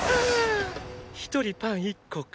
一人パン１個か。